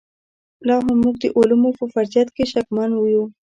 لاهم موږ د علومو په فرضیت کې شکمن یو.